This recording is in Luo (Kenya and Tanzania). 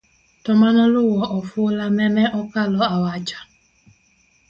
to manoluwo ofula nene okalo awacha